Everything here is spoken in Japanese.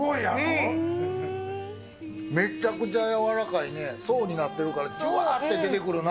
めちゃくちゃ柔らかいね、層になってるから、じゅわーって出てくるな。